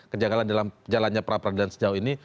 kejanggalan dalam jalannya prapradana sejauh ini